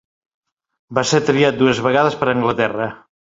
Va ser triat dues vegades per Anglaterra.